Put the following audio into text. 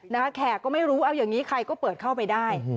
แขกก็ไม่รู้เอาอย่างนี้ใครก็เปิดเข้าไปได้